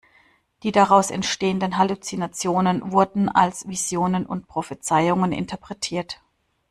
Die daraus entstehenden Halluzinationen wurden als Visionen und Prophezeiungen interpretiert.